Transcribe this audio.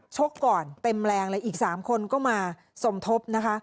ชกก่อนเต็มแรงเลยอีก๓คนก็มาสมทบนะคะ